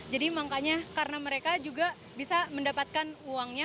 jadi makanya karena mereka juga bisa mendapatkan uangnya